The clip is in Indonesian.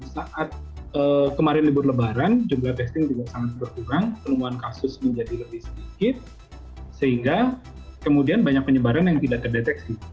saat kemarin libur lebaran jumlah testing juga sangat berkurang penemuan kasus menjadi lebih sedikit sehingga kemudian banyak penyebaran yang tidak terdeteksi